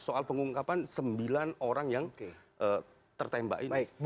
soal pengungkapan sembilan orang yang tertembak ini